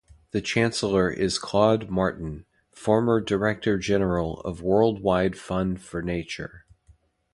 The chancellor is Claude Martin, former Director General of World Wide Fund for Nature.